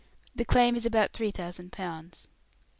The claim is about three thousand pounds."